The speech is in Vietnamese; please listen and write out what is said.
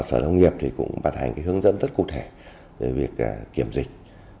sở nông nghiệp cũng bàn hành hướng dẫn rất cụ thể về việc kiểm dịch